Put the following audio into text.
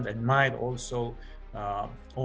dan juga bisa menggantikan